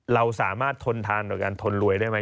เราสามารถทนทานต่อการทนรวยได้ไหม